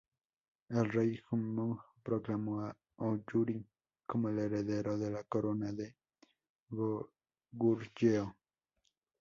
El rey Jumong proclamó a Yuri como el heredero de la corona de Goguryeo.